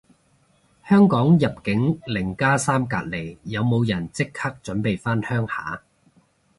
香港入境零加三隔離，有冇人即刻準備返鄉下